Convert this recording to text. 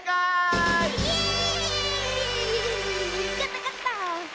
かったかった！